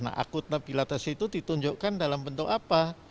nah akuntabilitas itu ditunjukkan dalam bentuk apa